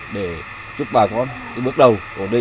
để giúp bà con bước đầu